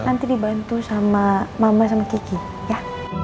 nanti dibantu sama mama sama kiki ya